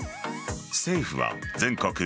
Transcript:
政府は全国